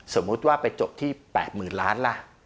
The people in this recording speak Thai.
สมมุติว่าไปจบที่๘๐๐๐ล้านล่ะ